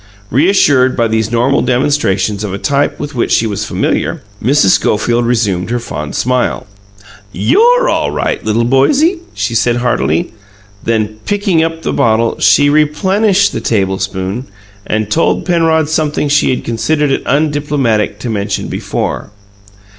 Reassured by these normal demonstrations, of a type with which she was familiar, Mrs. Schofield resumed her fond smile. "YOU'RE all right, little boysie!" she said heartily. Then, picking up the bottle, she replenished the tablespoon, and told Penrod something she had considered it undiplomatic to mention before.